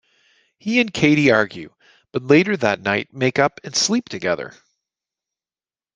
He and Katie argue, but later that night make up and sleep together.